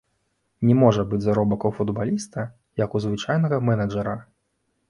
Не можа быць заробак у футбаліста, як у звычайнага менеджара.